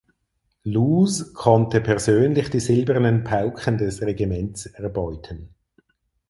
Looz konnte persönlich die silbernen Pauken des Regiments erbeuten.